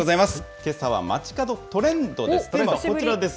けさはまちかどトレンドです。